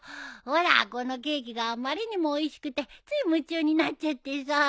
ほらこのケーキがあまりにもおいしくてつい夢中になっちゃってさ。